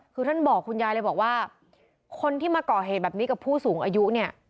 คือท่านบอกคุณยายเลยบอกว่าคนที่มาก่อเหตุแบบนี้กับผู้สูงอายุเนี่ย